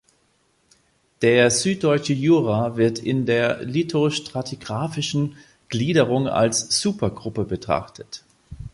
Der Süddeutsche Jura wird in der lithostratigraphischen Gliederung als Supergruppe betrachtet.